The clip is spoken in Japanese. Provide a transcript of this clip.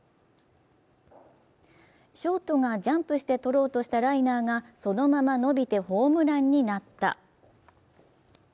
ショートがジャンプしてとろうとしたライナーがそのまま伸びてホームランになった。